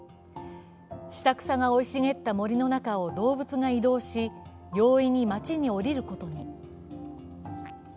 下草が生い茂った森の中を動物が移動し、容易に街に降りることに。